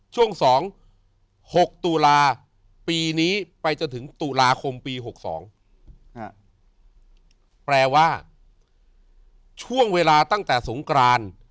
ช่วง๒๖ตุลาปีนี้ไปจนถึงตุลาคมปี๖๒แปลว่าช่วงเวลาตั้งแต่สงกราน